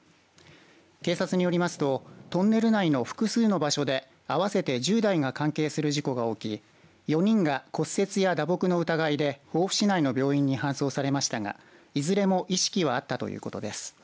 警察によりますとトンネル内の複数の場所で合わせて１０台が関係する事故が起き４人が骨折や打撲の疑いで防府市内の病院に搬送されましたがいずれも意識はあったということです。